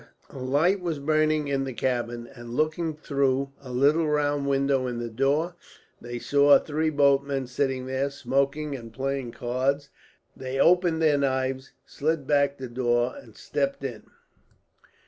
A light was burning in the cabin and, looking through a little round window in the door, they saw three boatmen sitting there, smoking and playing cards. They opened their knives, slid back the door, and stepped in.